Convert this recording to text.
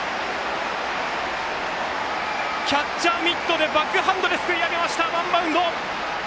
キャッチャーミットバックハンドですくい上げました。